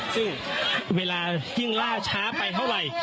ซึ่งเวลายิ่งล่าช้าไปเท่าไหร่